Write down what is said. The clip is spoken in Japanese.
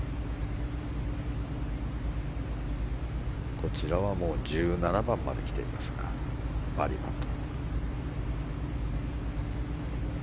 こちらはもう、１７番まで来ていますがバーディーパット。